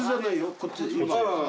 こっち。